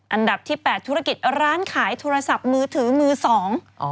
อันดับที่แปดธุรกิจร้านขายโทรศัพท์มือถือมือสอง